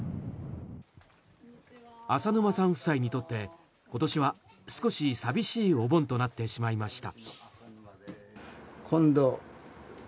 浅沼さん夫妻にとって今年は少し寂しいお盆となってしまいました。